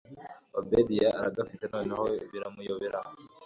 obedia aragafite noneho biramuyobera